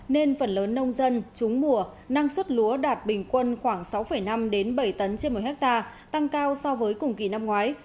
nên phần lớn nông dân trúng mùa năng suất lúa đạt bình quân khoảng sáu năm bảy tấn trên một hectare tăng cao so với cùng kỳ năm ngoái